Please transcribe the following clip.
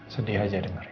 sedih aja dengerin